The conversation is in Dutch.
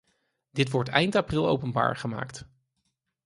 Dit wordt eind april openbaar gemaakt.